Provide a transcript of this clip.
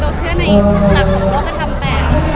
เบลว่าเชื่อในหนักกับโมงกฎ